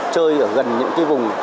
chơi ở gần những cái vùng